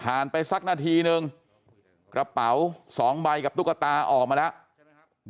ไปสักนาทีนึงกระเป๋า๒ใบกับตุ๊กตาออกมาแล้ว